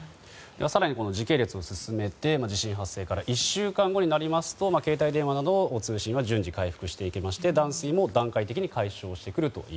更に時系列を進めて地震発生から１週間後になりますと携帯電話は順次、回復していきまして断水も順次回復すると。